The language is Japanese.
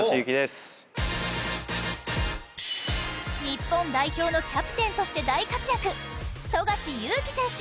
日本代表のキャプテンとして大活躍、富樫勇樹選手